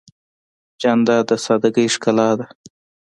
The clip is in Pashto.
جانداد د سادګۍ ښکلا ده.